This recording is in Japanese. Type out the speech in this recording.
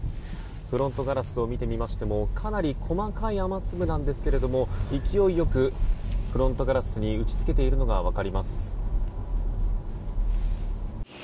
フロントガラスを見てみましてもかなり細かい雨粒なんですが勢いよくフロントガラスに打ち付けているのが分かります。